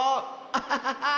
アッハハハ！